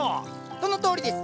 そのとおりです！